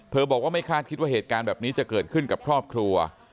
บอกว่าไม่คาดคิดว่าเหตุการณ์แบบนี้จะเกิดขึ้นกับครอบครัว